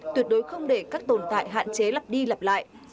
tuyệt đối không để các tồn tại hạn chế lặp đi lặp lại